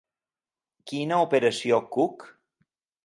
Quina operació Cook?